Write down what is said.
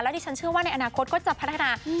ดิฉันเชื่อว่าในอนาคตก็จะพัฒนา